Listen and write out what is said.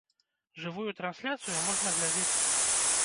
Жывую трансляцыю можна глядзець тут.